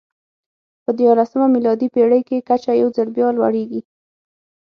په دیارلسمه میلادي پېړۍ کې کچه یو ځل بیا لوړېږي.